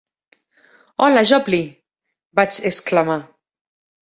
"Hola, Jopley", vaig exclamar.